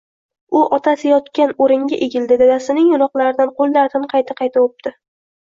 U otasi yotgan oʻringa egildi, dadasining yonoqlaridan, qoʻllaridan qayta-qayta oʻpdi